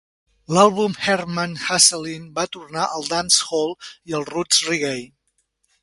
L'àlbum "Herbman Hustling" va tornar al "dancehall" i al "roots reggae".